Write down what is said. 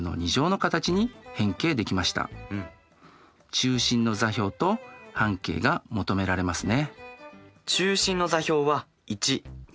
中心の座標と半径が求められますね。